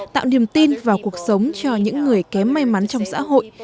tạo niềm tin vào cuộc sống cho những người kém may mắn trong xã hội